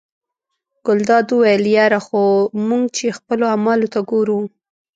ګلداد وویل یره خو موږ چې خپلو اعمالو ته ګورو.